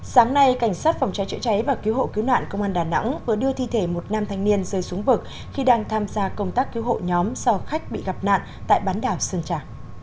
sáng nay cảnh sát phòng cháy chữa cháy và cứu hộ cứu nạn công an đà nẵng vừa đưa thi thể một nam thanh niên rơi xuống vực khi đang tham gia công tác cứu hộ nhóm do khách bị gặp nạn tại bán đảo sơn trà